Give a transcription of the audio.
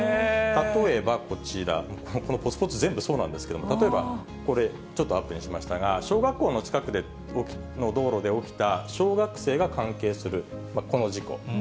例えばこちら、このぽつぽつ全部そうなんですけれども、例えばこれ、ちょっとアップにしましたが、小学校の近くの道路で起きた小学生が関係する、この事故。